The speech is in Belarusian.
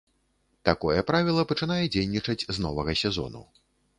Такое правіла пачынае дзейнічаць з новага сезону.